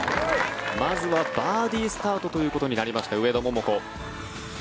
まずはバーディースタートということになりました上田桃子。